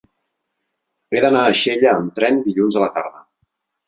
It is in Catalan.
He d'anar a Xella amb tren dilluns a la tarda.